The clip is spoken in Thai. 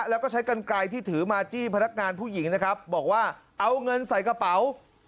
แล้วก็ใช้กันไกลที่ถือมาจี้พนักงานผู้หญิงนะครับบอกว่าเอาเงินใส่กระเป๋า